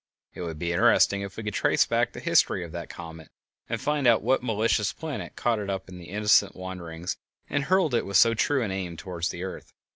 It would be interesting if we could trace back the history of that comet, and find out what malicious planet caught it up in its innocent wanderings and hurled it with so true an aim at the earth!